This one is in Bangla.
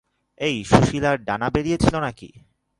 এই সুশীলার ডানা বেরিয়েছিল নাকি?